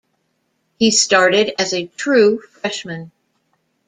He started as a true freshman.